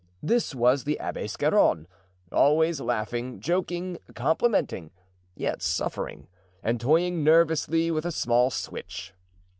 This was the Abbé Scarron, always laughing, joking, complimenting—yet suffering—and toying nervously with a small switch.